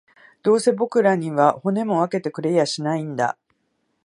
どうせ僕らには、骨も分けてくれやしないんだ